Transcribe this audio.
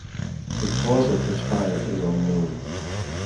The cause of this fire is unknown.